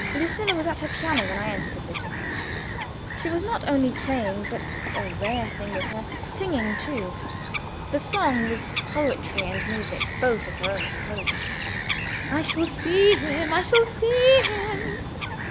Lucilla was at her piano when I entered the sitting room. She was not only playing but (a rare thing with her) singing too. The song was, poetry and music both, of her own composing. "I shall see him! I shall see him!"